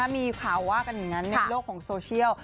มีข่าวว่ากันอย่างนั้นในโลกของโซเชียล